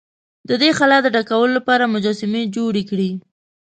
د دې خلا د ډکولو لپاره مجسمې جوړې کړې.